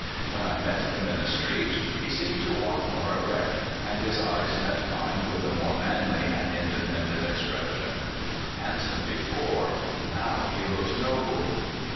When I met him in the streets he seemed to walk more erect, and his eye met mine with a more manly and independent expression. Handsome before, now he looked noble.